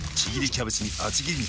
キャベツに厚切り肉。